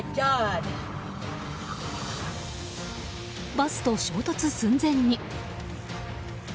バスと衝突寸前に。